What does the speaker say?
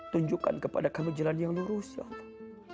tunjukkan kepada kami jalan yang lurus ya allah